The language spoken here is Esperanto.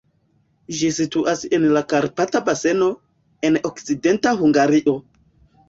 Ĝi situas en la Karpata baseno, en Okcidenta Hungario.